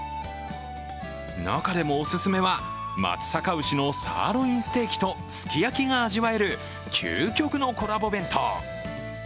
中でもおすすめは、松阪牛のサーロインステーキとすき焼きが味わえる究極のコラボ弁当。